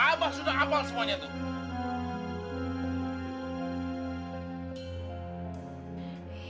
abah sudah hafal semuanya tuh